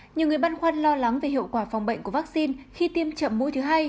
nhiều người băn khoăn lo lắng về hiệu quả phòng bệnh của vaccine khi tiêm chậm mũi thứ hai